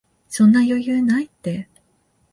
そんな余裕ないって